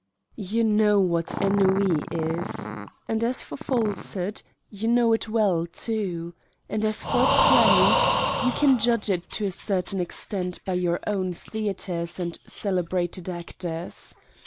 You know what ennui is. And as for falsehood, you know it well too. And as for play you can judge it to a certain extent by your own theaters 6 Satan's Diary and celebrated actors.